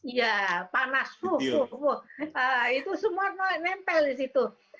iya panas bubuk itu semua nempel di situ